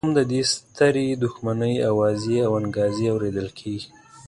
اوس هم د دې سترې دښمنۍ اوازې او انګازې اورېدل کېږي.